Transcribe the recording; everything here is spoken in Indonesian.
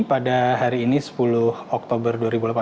pada hari ini sepuluh oktober dua ribu delapan belas